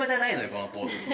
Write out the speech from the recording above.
このポーズ。